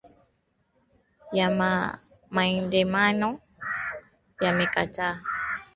ya waandamanaji wanaotaka mabadiliko ya kidemokrasia